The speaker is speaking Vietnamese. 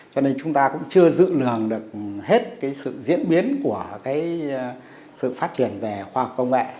cho nên chúng ta cũng chưa dự lường được hết cái sự diễn biến của sự phát triển về khoa học công nghệ